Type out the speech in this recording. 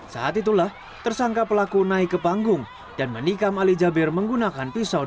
saat itulah tersangka pelakuan ini akan berlaku